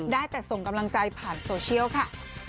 ได้แต่ส่งกำลังใจผ่านโซเชียลค่ะ